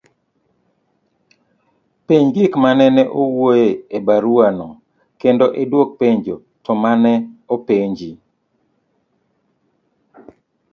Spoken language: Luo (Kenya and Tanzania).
penj gik manene owuoye e barua no kendo idwok penjo to mane openji